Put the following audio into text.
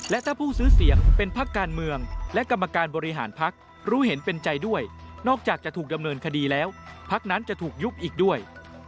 และถ้าผู้ซื้อเสียงเป็นพักการเมืองและกรรมการบริหารพักรู้เห็นเป็นใจด้วยนอกจากจะถูกดำเนินคดีแล้วพักนั้นจะถูกยุบอีกด้วย